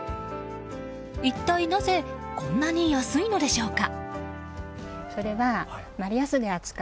一体なぜこんなに安いのでしょうか。